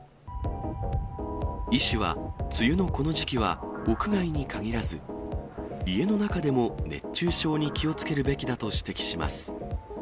医師は梅雨のこの時期は、屋外に限らず、家の中でも熱中症に気をつけるべきだと指摘します。